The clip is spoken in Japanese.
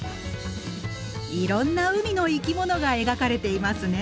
いろんな海の生き物が描かれていますね。